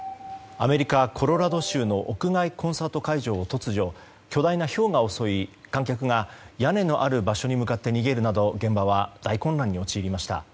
アメリカ・コロラド州の屋外コンサート会場を突如、巨大なひょうが襲い観客が屋根のある場所に向かって逃げるなど現場は大混乱に陥りました。